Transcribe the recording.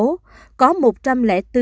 tình hình dịch covid một mươi chín